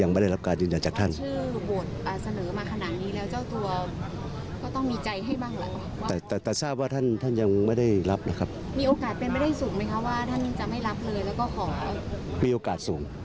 วันที่๔นี้จบในเรื่องของการเลือกนายกรัฐมนตรีไหมคะ